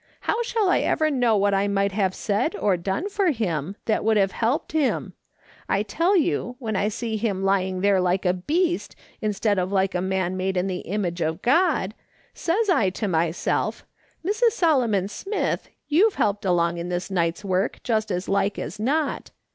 How shall I ever know what I might have said or done for him, that would have helped him ? I tell you, when I see him lying there like a beast, instead of like a man made in the image of God, says I to myself :' Mrs. Solomon Smith, you've helped along in this night's work just as like as not.